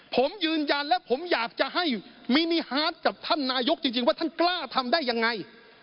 ผมยืนยันและผมอยากจะให้มินิฮาร์ดกับท่านนายกจริงว่าท่านกล้าทำได้ยังไง